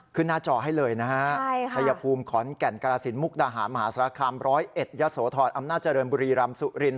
ขึ้นหน้าจอให้เลยนะฮะ